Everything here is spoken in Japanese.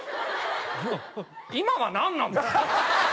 今はなんなんだよ！